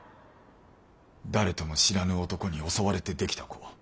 誰とも知らぬ男に襲われて出来た子。